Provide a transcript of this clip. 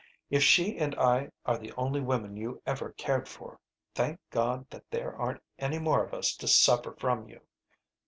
If she and I are the only women you ever cared for, thank God that there aren't any more of us to suffer from you.